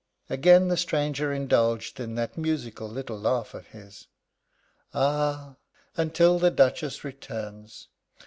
Again the stranger indulged in that musical little laugh of his: "Ah, until the Duchess returns!